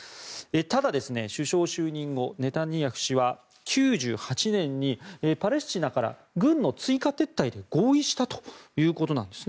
ただ、首相就任後ネタニヤフ氏は９８年にパレスチナから軍の追加撤退で合意したということなんです。